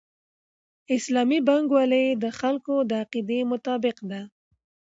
اسلامي بانکوالي د خلکو د عقیدې مطابق ده.